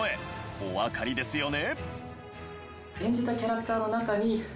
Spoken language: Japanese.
おわかりですよね？